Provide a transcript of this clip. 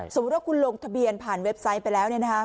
สมมุติว่าคุณลงทะเบียนผ่านเว็บไซต์ไปแล้ว